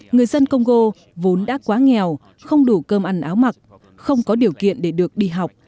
người dân congo vốn đã quá nghèo không đủ cơm ăn áo mặc không có điều kiện để được đi học